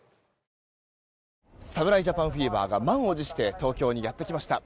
侍ジャパンフィーバーが満を持して東京にやってきました。